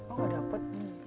oh gak dapat